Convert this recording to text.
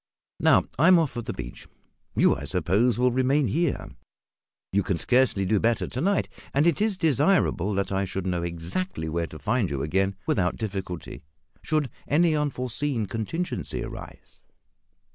Now, I am off for the beach. You, I suppose, will remain here; you can scarcely do better to night, and it is desirable that I should know exactly where to find you again without difficulty, should any unforeseen contingency arise."